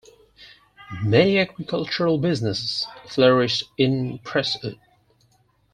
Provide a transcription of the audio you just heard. Many agricultural businesses flourished in Prestwood.